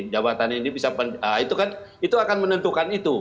jabatan ini bisa pegang itu kan akan menentukan itu